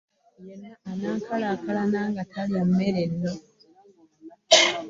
Yenna n’akalaakalana ng’atalya mmere nno